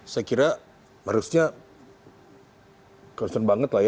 saya kira harusnya concern banget lah ya